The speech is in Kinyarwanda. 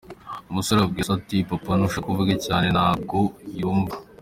Umusore abwira se ati:"papa nushaka uvuge cyane nta nubwo yumva ".